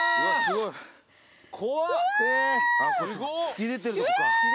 突き出てるとこか。